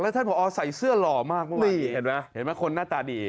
และท่านพอใส่เสื้อหล่อมากเมื่อกี้เห็นไหมคนหน้าตาดี